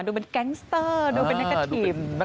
ดูเป็นแก๊งสเตอร์ดูเป็นนักกระถิ่น